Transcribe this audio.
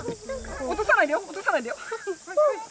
落とさないでよ落とさないでよ。